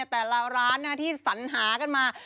แต่ละร้านที่สัญหากันมา